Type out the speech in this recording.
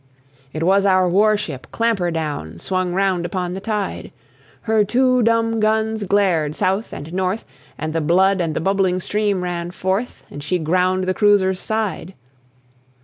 It was our war ship Clampherdown, Swung round upon the tide. Her two dumb guns glared south and north, And the blood and the bubbling steam ran forth, And she ground the cruiser's side.